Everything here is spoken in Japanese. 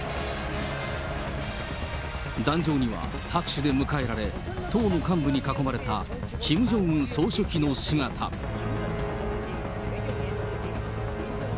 壇上には、拍手で迎えられた党の幹部に囲まれたキム・ジョンウン総書記の姿が。